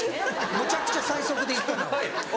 むちゃくちゃ最速で行ったな。